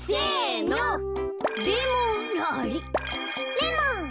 レモン。